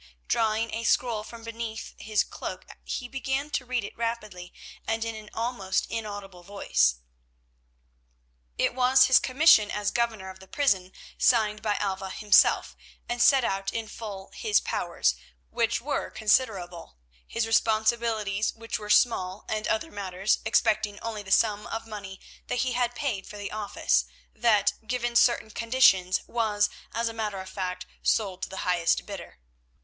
Drawing a scroll from beneath his cloak he began to read it rapidly and in an almost inaudible voice. It was his commission as governor of the prison signed by Alva himself, and set out in full his powers, which were considerable, his responsibilities which were small, and other matters, excepting only the sum of money that he had paid for the office, that, given certain conditions, was, as a matter of fact, sold to the highest bidder.